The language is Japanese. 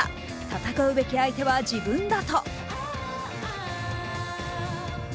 戦うべき相手は自分だと。